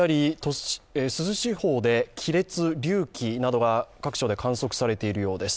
珠洲地方で亀裂、隆起などが各所で観測されているようです。